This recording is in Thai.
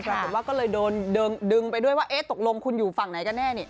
ปรากฏว่าก็เลยโดนดึงไปด้วยว่าเอ๊ะตกลงคุณอยู่ฝั่งไหนกันแน่นี่